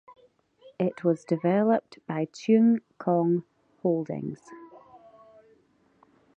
It was developed by Cheung Kong Holdings.